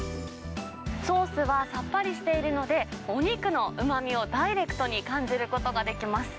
ソースはさっぱりしているので、お肉のうまみをダイレクトに感じることができます。